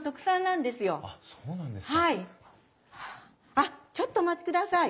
あっちょっとお待ちください。